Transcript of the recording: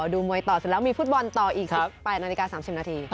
เสร็จแล้วมีฟุตบอลต่ออีกไปนาฬิกา๓๐นาที